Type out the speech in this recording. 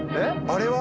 あれは？